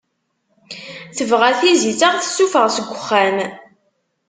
Tebɣa tizit ad aɣ-tessufeɣ seg uxxam.